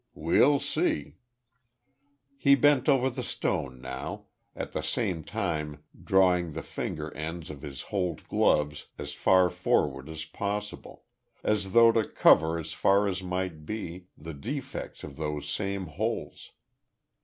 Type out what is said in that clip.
"We'll see." He bent over the stone now, at the same time drawing the finger ends of his holed gloves as far forward as possible, as though to cover as far as might be, the defects of those same holes.